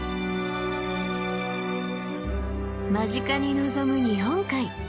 間近に望む日本海。